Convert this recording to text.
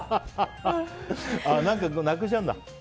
何かなくしちゃうんだ？